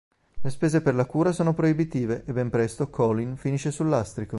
Le spese per la cura sono proibitive e ben presto Colin finisce sul lastrico.